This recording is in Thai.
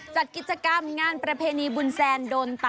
จัดกิจกรรมงานประเพณีบุญแซนโดนตา